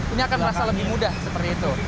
ini akan merasa lebih mudah seperti itu